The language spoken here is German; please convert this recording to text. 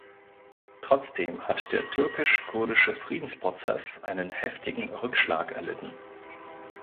Trotzdem hat der türkisch-kurdische Friedensprozess einen heftigen Rückschlag erlitten.